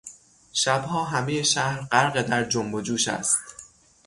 شبها همهی شهر غرق در جنب و جوش است.